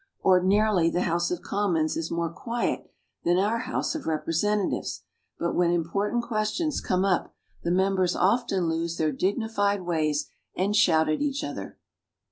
Ordinarily the House of Commons is more quiet than our House of Representatives, but when im portant questions come up, the members often lose their dignified ways and shout at, each other.